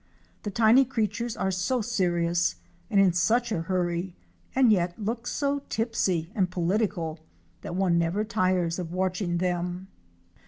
The tiny creatures are so serious and in such a hurry and yet look so tipsy and political, that one never tires of watching them.